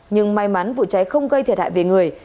nhưng may mắn vụ cháy không gây thiệt hại về người